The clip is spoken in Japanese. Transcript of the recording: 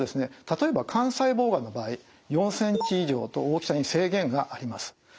例えば肝細胞がんの場合４ｃｍ以上と大きさに制限があります。